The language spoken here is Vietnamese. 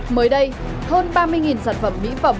mới đây hơn ba mươi sản phẩm mỹ phẩm